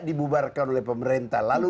dibubarkan oleh pemerintah lalu